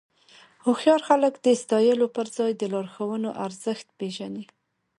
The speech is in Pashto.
هوښیار خلک د ستایلو پر ځای د لارښوونو ارزښت پېژني.